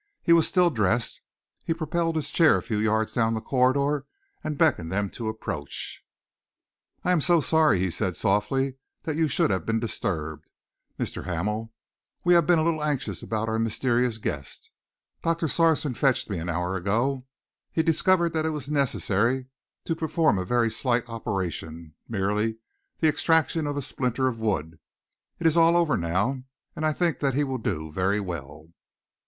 He was still dressed. He propelled his chair a few yards down the corridor and beckoned them to approach. "I am so sorry," he said softly, "that you should have been disturbed, Mr. Hamel. We have been a little anxious about our mysterious guest. Doctor Sarson fetched me an hour ago. He discovered that it was necessary to perform a very slight operation, merely the extraction of a splinter of wood. It is all over now, and I think that he will do very well."